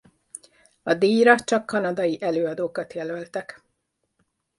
A díjra csak kanadai előadókat jelöltek.